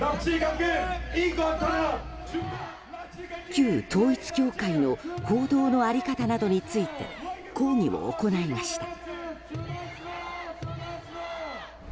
旧統一教会の報道の在り方などについて抗議を行いました。